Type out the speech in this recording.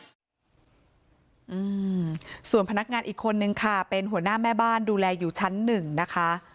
อืมส่วนพนักงานอีกคนนึงค่ะเป็นหัวหน้าแม่บ้านดูแลอยู่ชั้นหนึ่งนะคะ